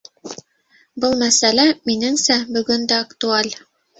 Был мәсьәлә, минеңсә, бөгөн дә актуаль.